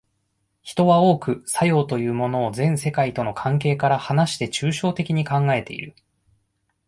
人は多く作用というものを全世界との関係から離して抽象的に考えている。